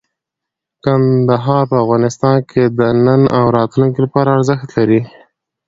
کندهار په افغانستان کې د نن او راتلونکي لپاره ارزښت لري.